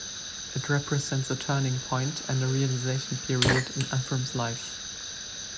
It represents a turning point and a realization period in Elvrum's life.